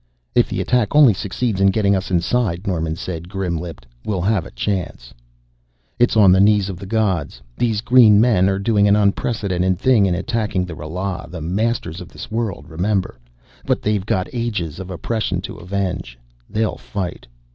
"If the attack only succeeds in getting us inside," Norman said, grim lipped, "we'll have a chance " "It's on the knees of the gods. These green men are doing an unprecedented thing in attacking the Ralas, the masters of this world, remember. But they've got ages of oppression to avenge; they'll fight."